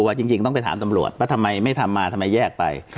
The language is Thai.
จริงต้องไปถามตำรวจว่าทำไมไม่ทำมาทำไมแยกไป